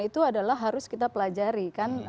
itu adalah harus kita pelajari kan